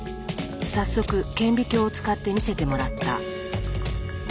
早速顕微鏡を使って見せてもらった。